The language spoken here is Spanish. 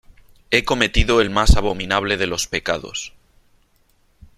he cometido el más abominable de los pecados :